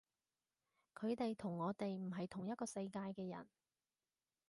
佢哋同我哋唔係同一個世界嘅人